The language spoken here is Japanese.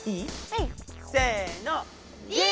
せの！